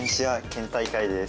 県大会です。